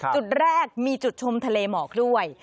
จุดแรกมีจุดชมทะเลหมอกด้วย